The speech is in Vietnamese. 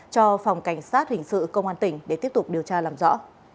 cho phòng cảnh sát hình sự công an tỉnh để tiếp tục điều tra làm rõ